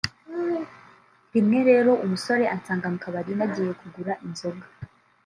rimwe rero umusore ansanga mu kabari nagiye kugura inzoga